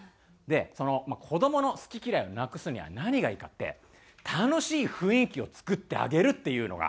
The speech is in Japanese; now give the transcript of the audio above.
で子どもの好き嫌いをなくすには何がいいかって楽しい雰囲気を作ってあげるっていうのがいいと思うんです。